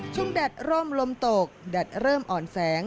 แดดร่มลมตกแดดเริ่มอ่อนแสง